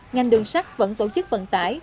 ngành đường sắt vẫn tổ chức vận tải